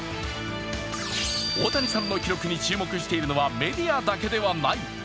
大谷さんの記録に注目しているのはメディアだけではない。